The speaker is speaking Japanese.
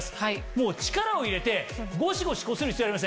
もう力を入れてゴシゴシこする必要はありません。